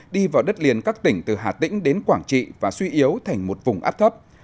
đi vào đất liền các tỉnh từ hà tĩnh đến quảng trị và suy yếu thành một vùng áp thấp